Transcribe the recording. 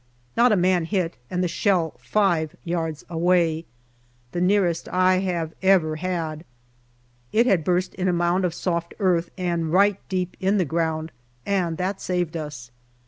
Not a man hit, and the shell five yards away. The nearest I have ever had. It had burst in a mound of soft earth and right deep in the ground, and that saved us.